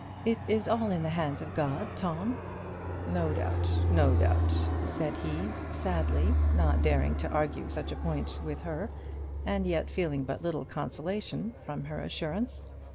"It is all in the hands of God, Tom." "No doubt, no doubt," said he, sadly, not daring to argue such a point with her, and yet feeling but little consolation from her assurance.